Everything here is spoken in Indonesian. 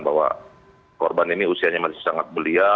bahwa korban ini usianya masih sangat belia